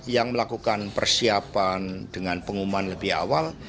yang melakukan persiapan dengan pengumuman lebih awal